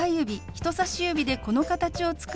人さし指でこの形を作り